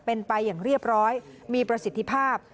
เป็นไปอย่างเรียบร้อยมีประสิทธิภาพ